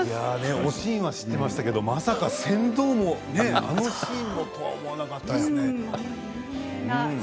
「おしん」は知っていましたけれどまさか船頭のあのシーンだったとは思わなかったです。